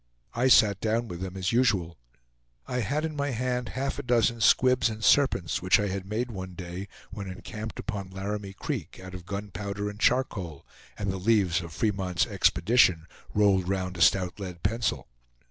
I sat down with them as usual. I had in my hand half a dozen squibs and serpents, which I had made one day when encamped upon Laramie Creek, out of gunpowder and charcoal, and the leaves of "Fremont's Expedition," rolled round a stout lead pencil.